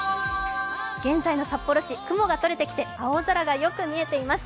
現在の札幌市、雲が取れてきて青空が見えています。